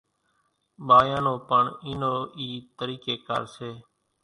ٻايان نو پڻ اِي نو اِي طريقي ڪار سي